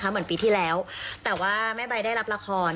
เหมือนปีที่แล้วแต่ว่าแม่ใบได้รับละคร